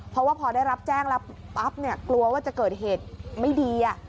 เพราะว่าพอได้รับแจ้งแล้วปั๊บกลัวว่าจะเกิดเหตุไม่ดี